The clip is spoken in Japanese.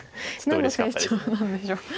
何の成長なんでしょう。